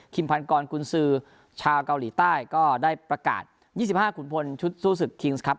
ขิมพันกรกุญศือชาวเกาหลีใต้ก็ได้ประกาศยี่สิบห้าขุมพลชุดซูซุพคิงส์ครับ